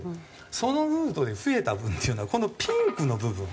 そのルートで増えた分っていうのはこのピンクの部分。